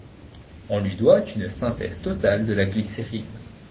On lui doit une synthèse totale de la glycérine.